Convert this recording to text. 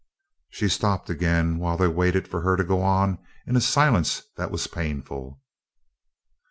She stopped again while they waited for her to go on in a silence that was painful.